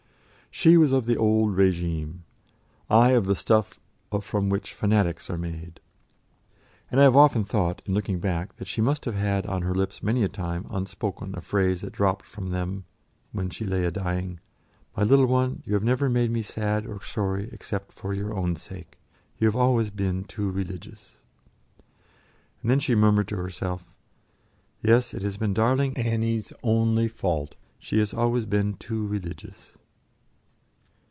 She was of the old régime; I of the stuff from which fanatics are made: and I have often thought, in looking back, that she must have had on her lips many a time unspoken a phrase that dropped from them when she lay a dying: "My little one, you have never made me sad or sorry except for your own sake; you have always been too religious." And then she murmured to herself: "Yes, it has been darling Annie's only fault; she has always been too religious."